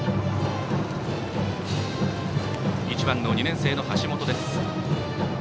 １番の２年生の橋本です。